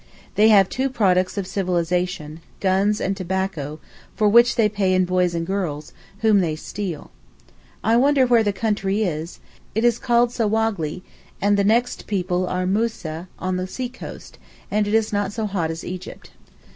They have two products of civilization—guns and tobacco, for which they pay in boys and girls, whom they steal. I wonder where the country is, it is called Sowaghli, and the next people are Mueseh, on the sea coast, and it is not so hot as Egypt.